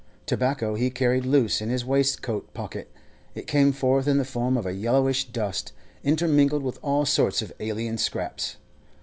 Tobacco he carried loose in his waistcoat pocket; it came forth in the form of yellowish dust, intermingled with all sorts of alien scraps.